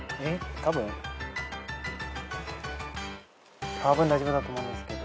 たぶん大丈夫だと思うんですけど。